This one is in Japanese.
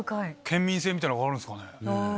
県民性みたいなのがあるんすかね。